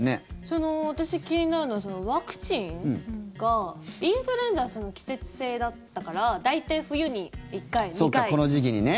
私、気になるのはワクチンがインフルエンザは季節性だったからこの時期にね。